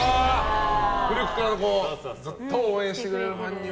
古くからずっと応援してくれてるファンには。